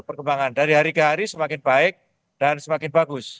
perkembangan dari hari ke hari semakin baik dan semakin bagus